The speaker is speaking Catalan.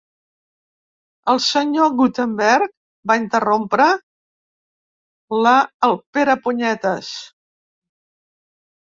El senyor Gutenberg! —va interrompre-la el Perepunyetes.